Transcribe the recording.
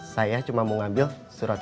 saya cuma mau ngambil surat